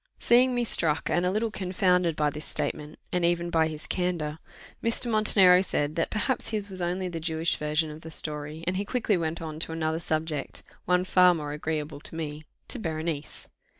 Seeing me struck, and a little confounded, by this statement, and even by his candour, Mr. Montenero said, that perhaps his was only the Jewish version of the story, and he quickly went on to another subject, one far more agreeable to me to Berenice.